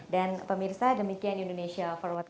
dan pemirsa demikian indonesia forward